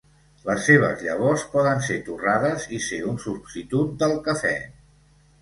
Les seves llavors poden ser torrades i ser un substitut del cafè.